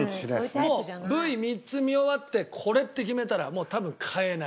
もうＶ３つ見終わって「これ！」って決めたらもう多分変えない。